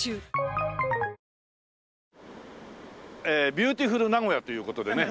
ビューティフル名古屋という事でね。